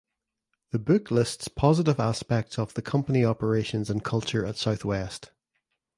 The book lists positive aspects of the company operations and culture at Southwest.